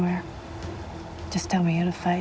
cuma beritahu saya bagaimana cara berjuang